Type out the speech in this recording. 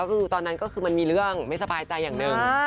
ก็คือตอนนั้นก็คือมันมีเรื่องไม่สบายใจอย่างหนึ่ง